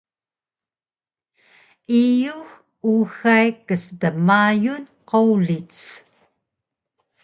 iyux uxay kstmayun qowlic